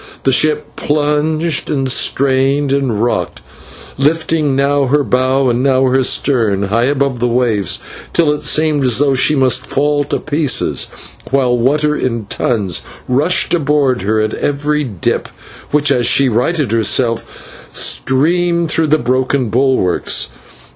The ship plunged and strained and rocked, lifting now her bow and now her stern high above the waves, till it seemed as though she must fall to pieces, while water in tons rushed aboard of her at every dip, which, as she righted herself, streamed through the broken bulwarks.